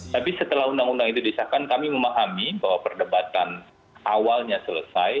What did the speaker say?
tapi setelah undang undang itu disahkan kami memahami bahwa perdebatan awalnya selesai